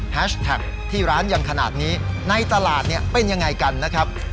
แฮชแท็กท์ที่ร้านอย่างขนาดนี้ในตลาดเป็นอย่างไรกันนะครับ